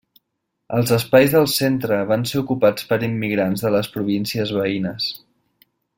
Els espais del centre van ser ocupats per immigrants de les províncies veïnes.